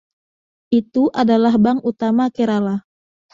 Itu adalah bank utama Kerala.